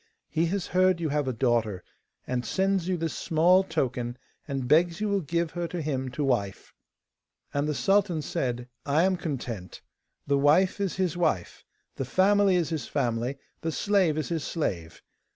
He has heard you have a daughter, and sends you this small token, and begs you will give her to him to wife.' And the sultan said: 'I am content. The wife is his wife, the family is his family, the slave is his slave.